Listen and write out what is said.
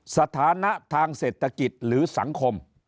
สถานะทางเศรษฐกิจหรือสังคม